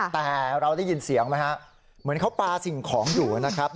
แต่เราได้ยินเสียงไหมฮะเหมือนเขาปลาสิ่งของอยู่นะครับ